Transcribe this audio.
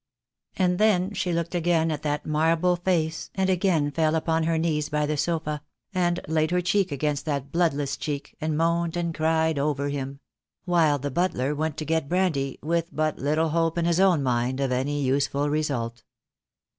And then she looked again at that marble face, and again fell upon her knees by the sofa, and laid her cheek against that bloodless cheek, and moaned and cried over him;, while the butler went to get brandy, with but little hope in his own mind of any useful result.